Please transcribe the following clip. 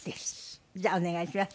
じゃあお願いします。